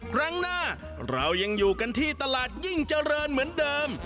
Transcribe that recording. ครั้งหน้าเรายังอยู่กันที่ตลาดยิ่งเจริญเหมือนเดิม